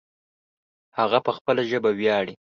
هغه په خپله ژبه ویاړې